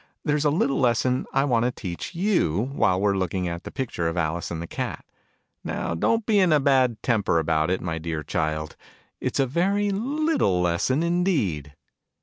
There's a little lesson I want to teach you, while we're looking at this pic ture of Alice and the Cat. Now don't be in a bad temper about it, my dear Child ! It's a very little lesson indeed